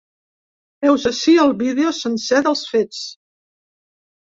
Heus ací el vídeo sencer dels fets.